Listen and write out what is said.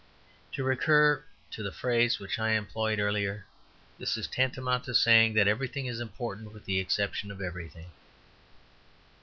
To recur to the phrase which I employed earlier, this is tantamount to saying that everything is important with the exception of everything.